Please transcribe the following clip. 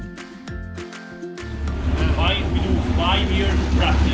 kita melakukan lima tahun praktik